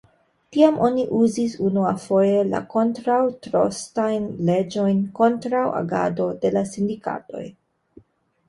Tiam oni uzis unuafoje la kontraŭ-trostajn leĝojn kontraŭ agado de la sindikatoj.